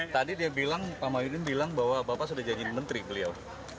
tadi dia bilang pak mahyudin bilang bahwa bapak sudah janjiin menteri beliau